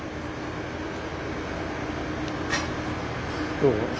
どう？